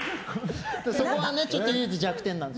そこはね、ちょっと唯一弱点なんです。